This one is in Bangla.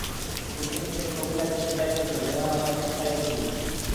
কূটনীতিক হিসেবে তৌফিক আলীর শেষ দায়িত্ব ছিল জেনেভায় বাংলাদেশের স্থায়ী প্রতিনিধি।